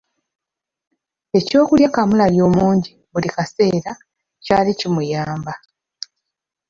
Eky'okulya kaamulali omungi buli kaseera kyali kimuyamba.